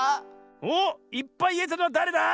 おっいっぱいいえたのはだれだ？